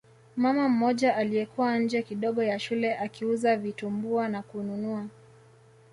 Mama mmoja aliyekuwa nje kidogo ya shule akiuza vitumbua na kununua